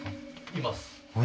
います。